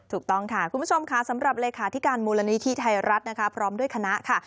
ถูกต้องค่ะคุณผู้ชมค่ะสำหรับเลขาธิการมูลนิธิไทยรัฐนะคะพร้อมด้วยคณะค่ะ